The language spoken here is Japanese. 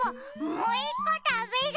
もういっこたべる！